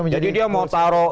jadi dia mau taruh